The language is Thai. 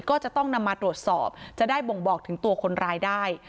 ก็จะต้องนำมาตรวจสอบจะได้บ่งบอกถึงตัวคนร้ายได้